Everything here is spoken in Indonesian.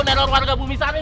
neror warga bumi sanin